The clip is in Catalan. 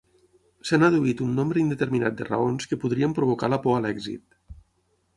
S'han adduït un nombre indeterminat de raons que podrien provocar la por a l'èxit.